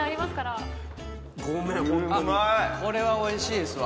これはおいしいですわ。